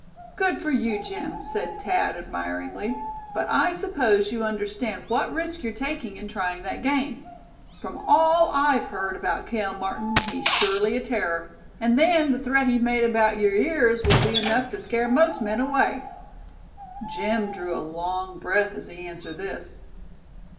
"Good for you, Jim!" said Thad, admiringly; "but I suppose you understand what risk you're taking in trying that game? From all I've heard about Cale Martin, he's surely a terror; and then the threat he made about your ears would be enough to scare most men away." Jim drew a long breath as he answered this.